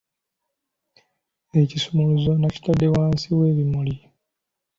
Ekisumuluzo nakitadde wansi w'ebimuli.